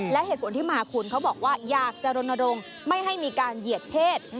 และเหตุผลที่มาคุณเขาบอกว่าอยากจะรณรงค์ไม่ให้มีการเหยียดเพศ